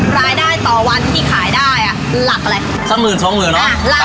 รายได้ต่อวันที่ขายได้อ่ะหลักอะไรสักหมื่นสองหมื่นเนอะ